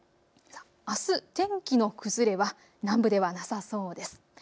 あす、天気の崩れは南部ではなさそうです。